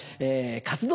活動